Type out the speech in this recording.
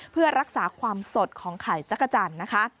เพื่อรักษาความสดของไข่จักรจันทร์นะคะ